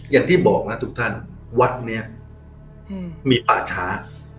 อย่างที่บอกนะทุกท่านวัดนี้มีป่าช้า